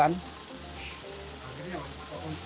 akhirnya tutup toko